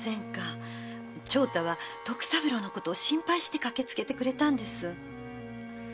長太は徳三郎のこと心配して駆けつけてくれたんです。